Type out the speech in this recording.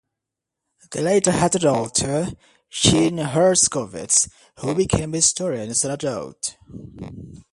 They later had a daughter, Jean Herskovits, who became a historian as an adult.